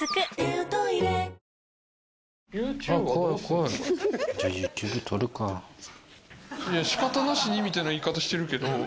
いや仕方なしにみたいな言い方してるけど。